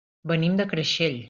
Venim de Creixell.